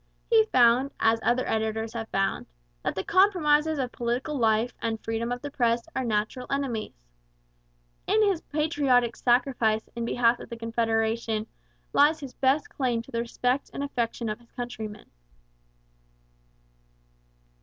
He found, as other editors have found, that the compromises of political life and the freedom of the press are natural enemies. In his patriotic sacrifice in behalf of Confederation lies his best claim to the respect and affection of his countrymen.